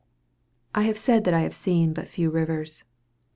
I have said that I have seen but few rivers.